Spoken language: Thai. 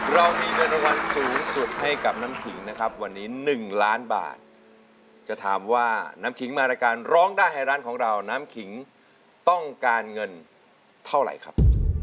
เรามีเงินรางวัลสูงสุดให้กับน้ำขิงนะครับวันนี้๑ล้านบาทจะถามว่าน้ำขิงมารายการร้องได้ให้ร้านของเราน้ำขิงต้องการเงินเท่าไหร่ครับ